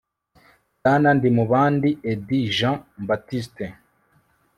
bwana ndimubandi eddy jean baptiste